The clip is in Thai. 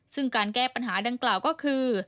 ซึ่งการแก้ปัญหาดังกล่าวก็คือ